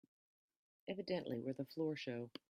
Evidently we're the floor show.